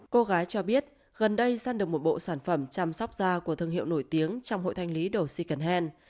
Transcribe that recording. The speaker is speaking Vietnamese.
cô gái cho biết gần đây săn được một bộ sản phẩm chăm sóc da của thương hiệu nổi tiếng trong hội thanh lý đồ secent